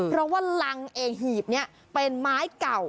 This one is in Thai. เพราะว่ารังเองหีบนี้เป็นไม้เก่า